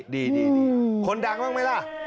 ดีคนดังบ้างไหมล่ะ